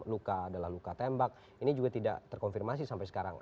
luka adalah luka tembak ini juga tidak terkonfirmasi sampai sekarang